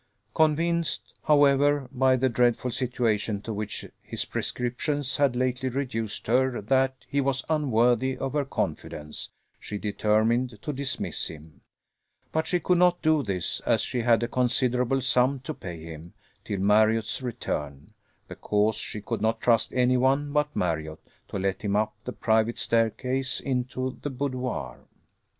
Convinced, however, by the dreadful situation to which his prescriptions had lately reduced her that he was unworthy of her confidence, she determined to dismiss him: but she could not do this, as she had a considerable sum to pay him, till Marriott's return, because she could not trust any one but Marriott to let him up the private staircase into the boudoir.